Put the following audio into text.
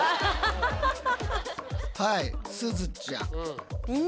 はいすずちゃん。